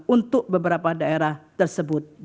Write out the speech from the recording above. untuk beberapa daerah tersebut